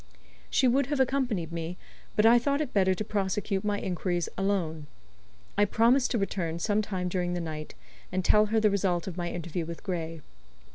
She would have accompanied me, but I thought it better to prosecute my inquiries alone. I promised to return sometime during the night, and tell her the result of my interview with Gray.